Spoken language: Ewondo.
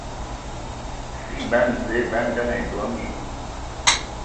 Si ban Zǝə bə andəŋ ai dɔ mi.